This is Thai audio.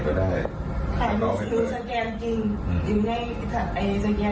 สแกนจริงอยู่ในสแกนข้างกันสิบวัน